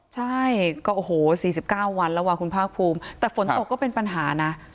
ใช่ก็โอ้โห๔๙วันแล้วคุณภาคภูมิแต่ฝนตกก็เป็นปัญหานะ